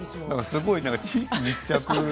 すごい地域密着。